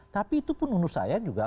tapi itu pun menurut saya juga